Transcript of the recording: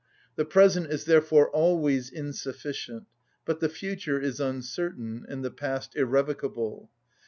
The present is therefore always insufficient; but the future is uncertain, and the past irrevocable.